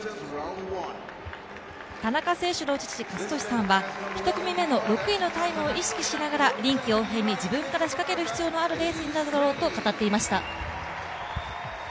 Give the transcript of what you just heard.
田中選手の父・健智さんは１組目の６位のタイムを意識しながら臨機応変に自分からしかける必要があるレースになるだろうと語っていました。